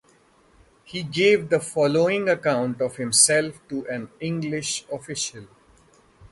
He gave the following account of himself to an English official.